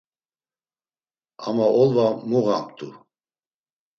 Ama olva muğamt̆u.